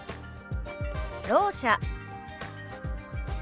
「ろう者」。